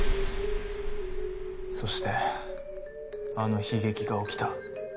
そしてあの悲劇が起きた。